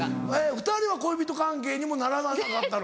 ２人は恋人関係にもならなかったの？